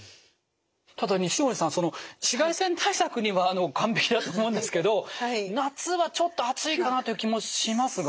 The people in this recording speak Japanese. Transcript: ただ錦織さん紫外線対策には完璧だと思うんですけど夏はちょっと暑いかなという気もしますが。